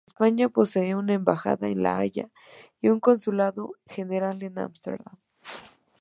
España posee una embajada en La Haya y un consulado general en Ámsterdam.